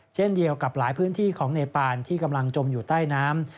เช่นเดียวกับหลายพื้นที่ของเนปานที่กำลังจมอยู่ใต้น้ำ